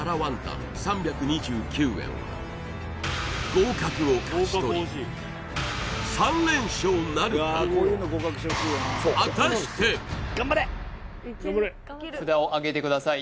合格を勝ち取り３連勝なるか札をあげてください